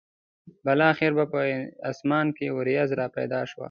بالاخره به په اسمان کې ورېځ را پیدا شوه.